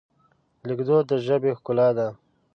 لیکدود د ژبې ښکلا ده.